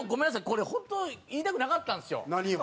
これホント言いたくなかったんですよ。何よ？